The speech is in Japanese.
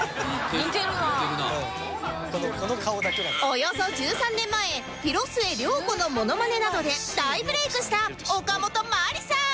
およそ１３年前広末涼子のモノマネなどで大ブレイクしたおかもとまりさん